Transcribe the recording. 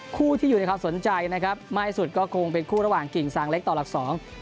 คู่ที่อยู่ในความสนใจนะครับมากที่สุดก็คงเป็นคู่ระหว่างกิ่งสางเล็กต่อหลักสอง